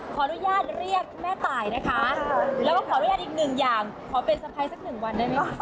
ขออนุญาตเรียกแม่ตายนะคะแล้วก็ขออนุญาตอีกหนึ่งอย่างขอเป็นสะพ้ายสักหนึ่งวันได้ไหมคะ